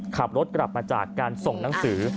ขับรถกลับมาจากการส่งหนังสือ